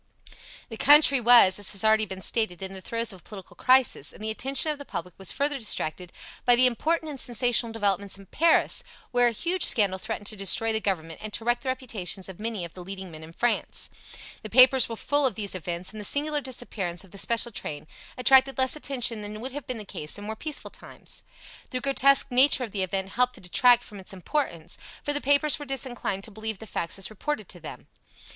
The country was, as has already been stated, in the throes of a political crisis, and the attention of the public was further distracted by the important and sensational developments in Paris, where a huge scandal threatened to destroy the Government and to wreck the reputations of many of the leading men in France. The papers were full of these events, and the singular disappearance of the special train attracted less attention than would have been the case in more peaceful times. The grotesque nature of the event helped to detract from its importance, for the papers were disinclined to believe the facts as reported to them.